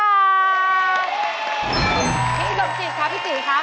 อีกหนึ่งรกจิตค่ะพี่จี๋ค่ะ